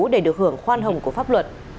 để được hưởng khoan hồng của pháp luật